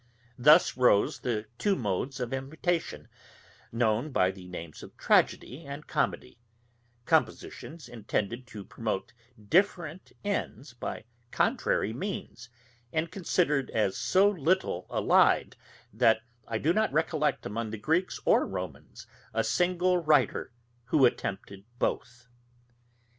Thus rose the two modes of imitation, known by the names of tragedy and comedy, compositions intended to promote different ends by contrary means, and considered as so little allied, that I do not recollect among the Greeks or Romans a single writer who attempted both.